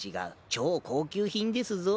超高級品ですぞ。